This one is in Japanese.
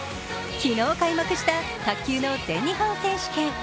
昨日、開幕した卓球の全日本選手権。